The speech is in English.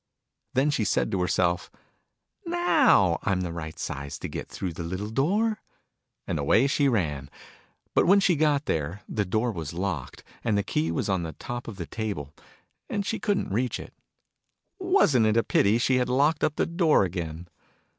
Then she said to herself "Now I'm the right size to get through the little door !" And away she ran But, when she got there, the door w T as locked, and the key was on the top of the table, and she couldn't reach it ! TV amt it a pity she had locked up the door again